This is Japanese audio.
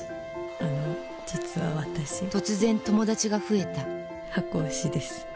あの実は私突然友達が増えた箱推しです。